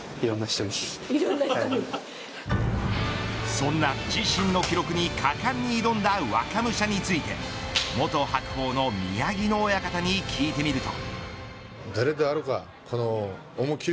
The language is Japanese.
そんな自身の記録に果敢に挑んだ若武者について元白鵬の宮城野親方に聞いてみると。